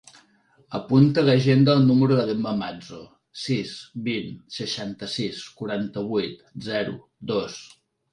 Apunta a l'agenda el número de l'Emma Mazo: sis, vint, seixanta-sis, quaranta-vuit, zero, dos.